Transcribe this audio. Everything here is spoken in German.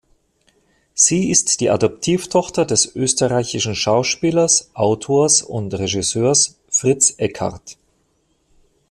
Sie ist die Adoptivtochter des österreichischen Schauspielers, Autors und Regisseurs Fritz Eckhardt.